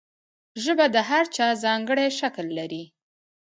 ژبه د هر چا ځانګړی شکل لري.